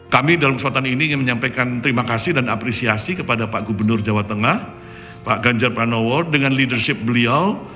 kami dalam kesempatan ini ingin menyampaikan terima kasih dan apresiasi kepada pak gubernur jawa tengah pak ganjar pranowo dengan leadership beliau